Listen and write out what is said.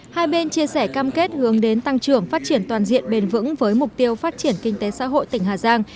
hai bên chia sẻ cam kết hướng đến tăng trưởng phát triển toàn diện bền vững với mục tiêu phát triển kinh tế xã hội tỉnh hà giang